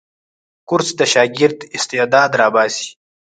کورس د شاګرد استعداد راباسي.